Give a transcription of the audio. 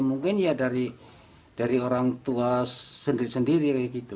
mungkin ya dari orang tua sendiri sendiri